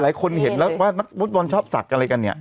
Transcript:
ที่หลายคนเห็นแล้วนักโบรนด์ชอบศักดิ์อะไรกันเนี่ย